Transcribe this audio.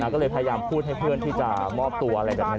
ก็เลยพยายามพูดให้เพื่อนที่จะมอบตัวอะไรแบบนั้น